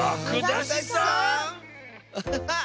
アハハッ！